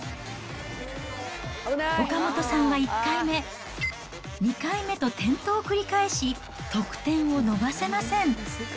岡本さんは１回目、２回目と転倒を繰り返し、得点を伸ばせません。